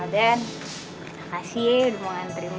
aden makasih ya udah mau anterin gue